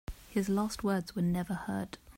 His last words were never heard.